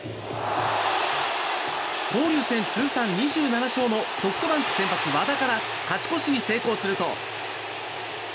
交流戦通算２７勝のソフトバンク先発、和田から勝ち越しに成功すると。